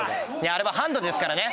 あれはハンドですからね